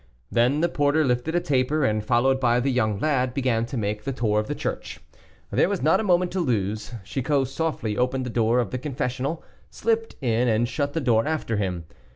Then the porter lifted a taper, and, followed by the young lad, began to make the tour of the church. There was not a moment to lose. Chicot softly opened the door of the confessional, slipped in, and shut the door after him.